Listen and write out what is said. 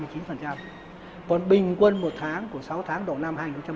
còn bình quân một tháng của sáu tháng đầu năm hai nghìn một mươi chín